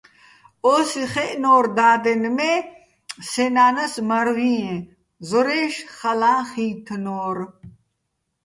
ო́სი ხეჸნო́რ და́დენ, მე́ სე ნა́ნას მარ ვიეჼ, ზორაჲში̆ ხალაჼ ხი́თნორ.